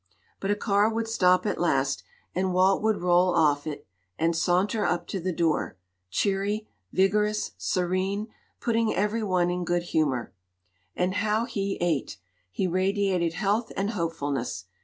But a car would stop at last, and Walt would roll off it and saunter up to the door cheery, vigorous, serene, putting every one in good humor. And how he ate! He radiated health and hopefulness.